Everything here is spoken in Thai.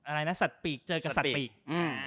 อะไรน่ะสัดปีกเจอกับสัดปีก